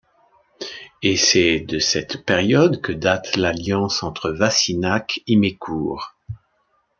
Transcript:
Et c'est de cette période que date l'alliance entre Vassinhac-Imécourt.